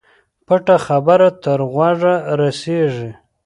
پټه خبره تر غوږه رسېږي.